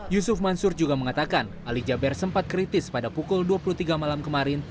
yusuf mansur juga mengatakan ali jaber sempat kritis pada pukul dua puluh tiga malam kemarin